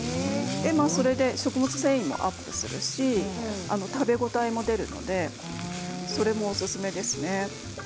それで食物繊維もアップするし食べ応えも出るのでそれもおすすめですね。